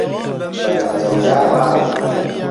بەلەنجەولار ڕادەبرن